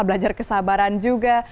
belajar kesabaran juga